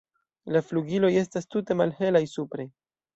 La flugiloj estas tute malhelaj supre.